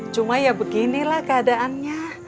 cuma ya beginilah keadaannya